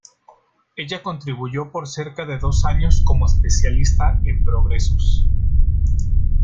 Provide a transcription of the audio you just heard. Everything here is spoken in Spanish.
Ella contribuyó por cerca de dos años como especialista en progresos.